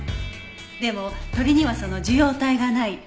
でも鳥にはその受容体がない。